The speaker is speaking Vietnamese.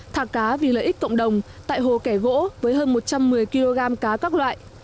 thả cá vì lợi ích cộng đồng tại hồ kẻ gỗ với hơn một trăm một mươi kg cá các loại